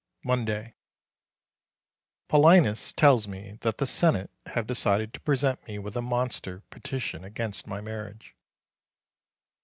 Monday. Paulinus tells me that the Senate have decided to present me with a monster petition against my marriage.